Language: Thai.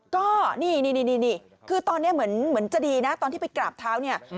ก็นี่คือตอนนี้เหมือนจะดีนะตอนที่ไปกราบเท้าเนี่ย